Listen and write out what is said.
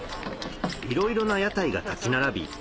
いろいろな屋台が立ち並び